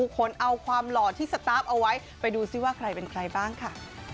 คนเอาความหล่อที่สตาร์ฟเอาไว้ไปดูซิว่าใครเป็นใครบ้างค่ะ